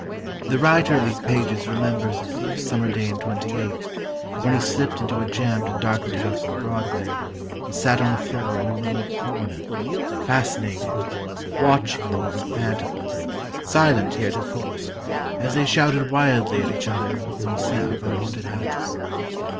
The writer of these pages remembers a fierce summer day in '28, when he slipped into a jammed and darkened house on Broadway, and sat on the floor in a remote corner, fascinated, watching the moving phantoms, silent heretofore, as they shouted wildly at each other in the mise en scène of a haunted house.